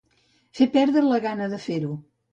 Fer perdre la gana de fer-ho.